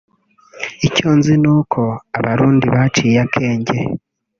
icyo nzi cyo ni uko Abarundi baciye akenge”